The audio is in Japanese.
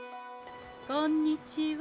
こんにちは。